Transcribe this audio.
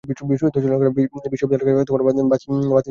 বিদ্যুৎ সেলের সঞ্চিত বিদ্যুৎ ব্যবহার করে বাতি জ্বালাতে হল।